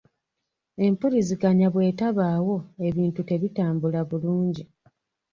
Empuliziganya bw'etabaawo ebintu tebitambula bulungi.